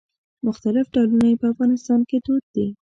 مختلف ډولونه یې په افغانستان کې دود دي.